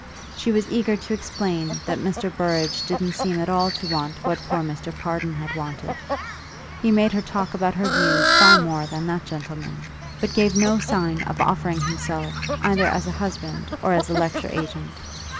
She was eager to explain that Mr. Burrage didn't seem at all to want what poor Mr. Pardon had wanted; he made her talk about her views far more than that gentleman, but gave no sign of offering himself either as a husband or as a lecture agent.